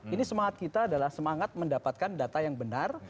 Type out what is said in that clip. ini semangat kita adalah semangat mendapatkan data yang benar